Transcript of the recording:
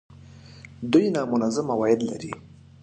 دوی نامنظم عواید لري